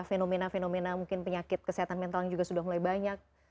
fenomena fenomena mungkin penyakit kesehatan mental juga sudah mulai banyak